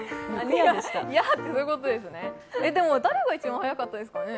でも、誰が一番早かったんですかね。